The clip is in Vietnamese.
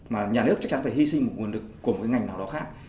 mà nhà nước chắc chắn phải hy sinh một nguồn lực của một cái ngành nào đó khác